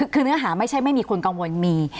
คือเนื้อหาไม่ใช่ไม่มีคนกังวลมี